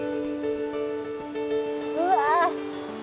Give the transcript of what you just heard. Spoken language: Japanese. うわ。